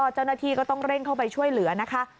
เจ้าหน้าที่ก็ต้องเร่งเข้าไปช่วยเหลือนะคะ